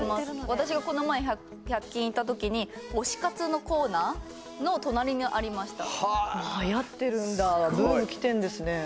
私がこの前１００均行ったときに推し活のコーナーの隣にありましたはやってるんだブームきてんですね